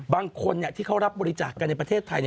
บางคนที่เขารับบริจาคกันในประเทศไทย